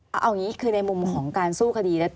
เอาอย่างนี้คือในมุมของการสู้คดี